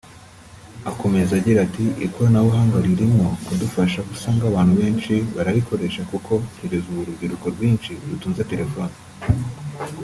akomeza agira ati”Ikoranabuhanga ririmo kudufasha aho usanga abantu benshi bararikoresha kuko kugeza ubu urubyiruko rwinshi rutunze telefoni